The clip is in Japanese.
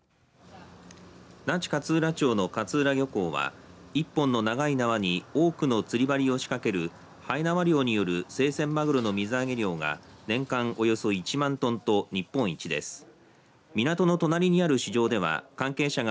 那智勝浦町の勝浦漁港は１本の長い縄に多くの釣り針をしかけるはえなわ漁による生鮮まぐろの水揚げ量が年間およそ１万トンと日本一です。